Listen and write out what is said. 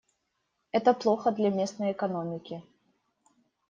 Это плохо для местной экономики.